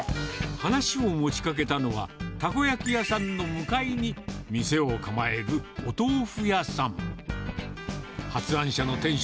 話を持ちかけたのは、たこ焼き屋さんの向かいに店を構えるお豆腐屋さん。